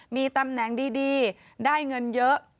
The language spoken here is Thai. มีตำแหน่งดีได้เงินเยอะ